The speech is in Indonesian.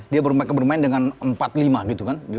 dia bermain dengan empat lima gitu kan